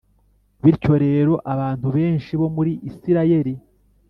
Bityo rero abantu benshi bo muri isirayeli